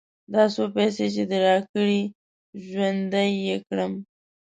دا څو پيسې چې دې راکړې؛ ژوندی يې کړم.